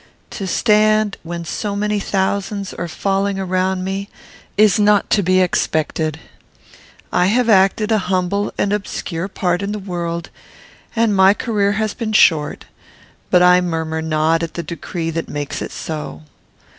To stand, when so many thousands are falling around me, is not to be expected. I have acted an humble and obscure part in the world, and my career has been short; but I murmur not at the decree that makes it so.